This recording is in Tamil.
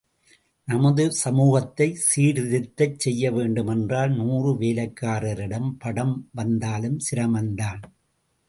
நமது சமூகத்தை சீர்திருத்தச் செய்யவேண்டுமென்றால் நூறு வேலைக்காரி படம் வந்தாலும் சிரமம்தான்.